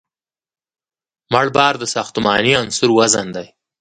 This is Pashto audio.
مړ بار د ساختماني عنصر وزن دی